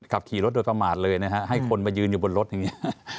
ขับขี่รถโดยประมาทเลยนะฮะให้คนมายืนอยู่บนรถอย่างนี้